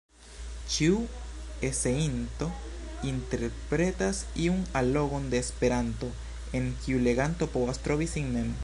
Ĉiu eseinto interpretas iun allogon de Esperanto, en kiu leganto povas trovi sin mem.